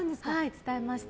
伝えました。